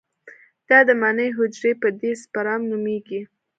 دا د مني حجرې چې دي سپرم نومېږي.